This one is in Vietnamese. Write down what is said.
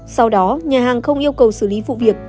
sau đó nhà hàng không yêu cầu xử lý vụ việc